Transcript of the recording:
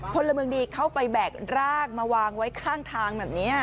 พลเมืองดีเข้าไปแบกรากมาวางไว้ข้างทางแบบนี้